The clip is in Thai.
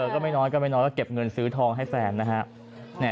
ก็ไม่น้อยก็ไม่น้อยก็เก็บเงินซื้อทองให้แฟนนะฮะ